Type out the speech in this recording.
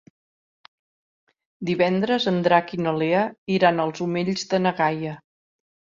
Divendres en Drac i na Lea iran als Omells de na Gaia.